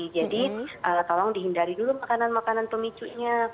tolong dihindari dulu makanan makanan pemicunya